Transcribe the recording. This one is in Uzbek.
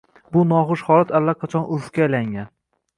Bu noxush holat allaqachon urfga aylangan.